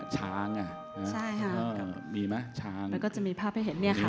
ช้างอ่ะใช่ค่ะมีไหมช้างแล้วก็จะมีภาพให้เห็นเนี่ยค่ะ